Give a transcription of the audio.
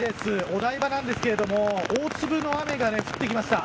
お台場なんですけれども大粒の雨が降ってきました。